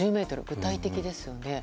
具体的ですね。